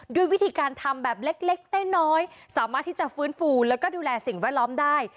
ด้วยวิธีการทำแบบเล็กน้อยสามารถที่จะฟื้นฟูแล้วก็ดูแลสิ่งแวดล้อมได้